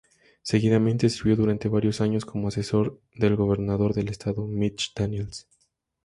Seguidamente sirvió durante varios años como asesor del Gobernador del Estado, Mitch Daniels.